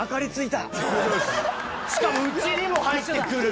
しかもうちにも入ってくる！